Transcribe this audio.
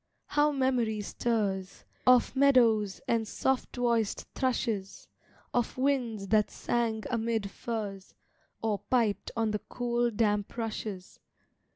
how memory stirs, Of meadows and soft voiced thrushes Of winds that sang amid firs, Or piped on the cool, damp rushes.